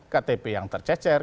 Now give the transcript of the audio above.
ktp yang tercecer